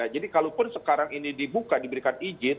jadi kalau pun sekarang ini dibuka diberikan izin